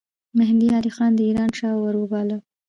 مهدي علي خان د ایران شاه وروباله.